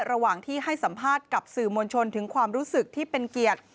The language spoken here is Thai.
ระหว่างที่ให้สัมภาษณ์กับสื่อมวลชนถึงความรู้สึกที่เป็นเกียรติ